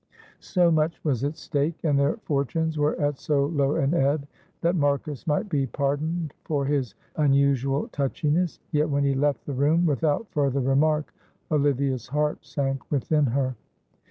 So much was at stake, and their fortunes were at so low an ebb, that Marcus might be pardoned for his unusual touchiness. Yet when he left the room without further remark, Olivia's heart sank within her.